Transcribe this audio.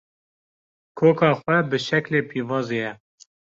Koka xwe bi şeklê pîvazê ye